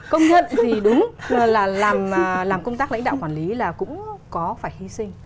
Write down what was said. công nhận thì đúng là làm công tác lãnh đạo quản lý là cũng có phải hy sinh